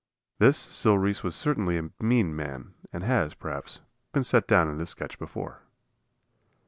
This Sil Reese was certainly a mean man, as has, perhaps, been set down in this sketch before.